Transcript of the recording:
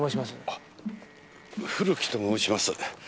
あ古木と申します。